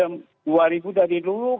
udah dua dari dua